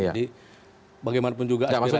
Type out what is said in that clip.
jadi bagaimanapun juga aspirasi itu